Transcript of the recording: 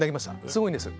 すごいんです。